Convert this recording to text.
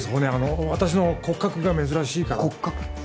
私の骨格が珍しいから骨格？